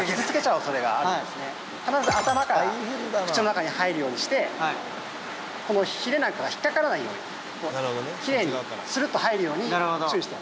必ず頭から口の中に入るようにしてこのヒレなんかが引っかからないように奇麗にスルっと入るように注意して。